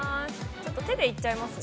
ちょっと手で行っちゃいますね。